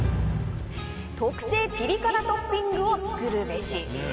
特製ピリ辛トッピングを作るべし。